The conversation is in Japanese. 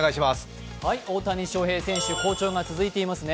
大谷翔平選手、好調が続いていますね。